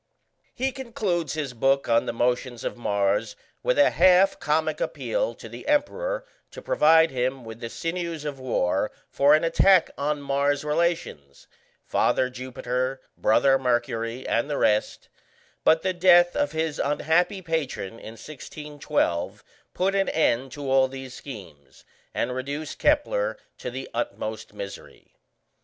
] He concludes his book on the motions of Mars with a half comic appeal to the Emperor to provide him with the sinews of war for an attack on Mars's relations father Jupiter, brother Mercury, and the rest but the death of his unhappy patron in 1612 put an end to all these schemes, and reduced Kepler to the utmost misery.